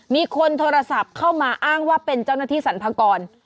มีคนโทรศัพท์เข้ามาอ้างว่าเป็นเจ้าหน้าที่สรรพากร